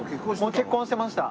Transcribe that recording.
もう結婚してました。